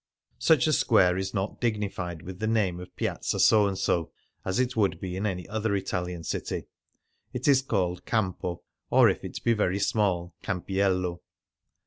Such a square is not dignified with the name of '• Piazza So and so,'' as it would be in any other Italian city; it is called "Campo," or, if it be very small, "Campiello."